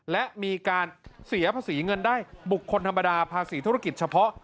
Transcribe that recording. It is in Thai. และมีการเสียภาษีเงินได้บุคคลธรรมดาภาษีธุรกิจเฉพาะ